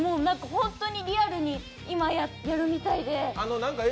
本当にリアルに今やるみたいで。